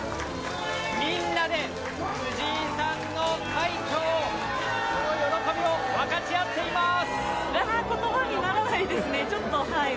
みんなで藤井さんの快挙を喜びを分かち合っています。